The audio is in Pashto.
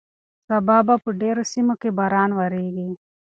سبا به په ډېرو سیمو کې باران وورېږي.